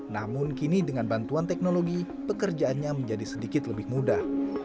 namun kini dengan bantuan teknologi pekerjaannya menjadi sedikit lebih mudah